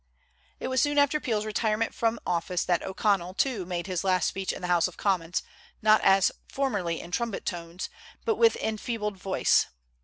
It was soon after Peel's retirement from office that O'Connell, too, made his last speech in the House of Commons, not as formerly in trumpet tones, but with enfeebled voice.